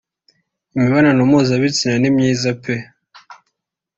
imibonano mpuzabitsina ni myiza pe